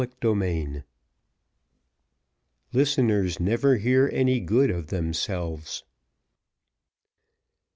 Chapter XXXII Listeners never hear any good of themselves.